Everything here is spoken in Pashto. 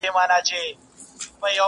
کنعان خوږ دی قاسم یاره د یوسف له شرافته,